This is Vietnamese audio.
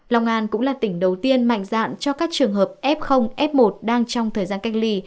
long an cũng là tỉnh đầu tiên mạnh dạn cho các trường hợp f f một đang trong thời gian cách ly